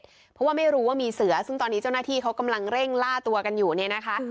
เพราะว่าไม่รู้ว่ามีเสือซึ่งตอนนี้เจ้าหน้าที่เขากำลังเร่งล่าตัวกันอยู่เนี่ยนะคะ